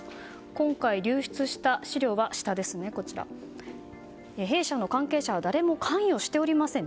今回、流出した資料は弊社の関係者は誰も関与しておりません。